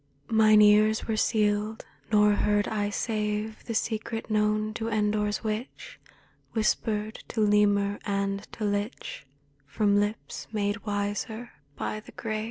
Mine ears were sealed, nor heard I save The secret known to Endor's witch — Whispered to lemur and to lich From lips made wiser by the grave.